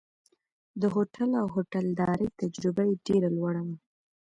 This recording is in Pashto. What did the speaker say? د هوټل او هوټلدارۍ تجربه یې ډېره لوړه وه.